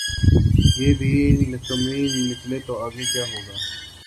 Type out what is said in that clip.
یہ بھی نکمیّ نکلے تو آگے ہوگاکیا؟